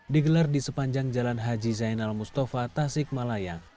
digelar di sepanjang jalan haji zainal mustafa tasik malaya